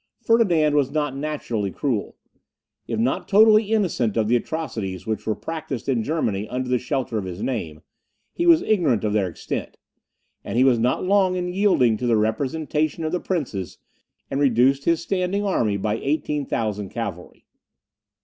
Ferdinand was not naturally cruel. If not totally innocent of the atrocities which were practised in Germany under the shelter of his name, he was ignorant of their extent; and he was not long in yielding to the representation of the princes, and reduced his standing army by eighteen thousand cavalry.